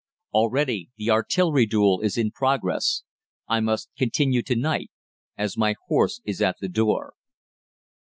Already the artillery duel is in progress. I must continue to night, as my horse is at the door."